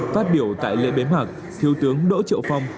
phát biểu tại lễ bế mạc thiếu tướng đỗ triệu phong